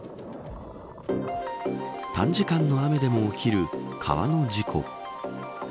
短時間の雨でも起きる川の事故。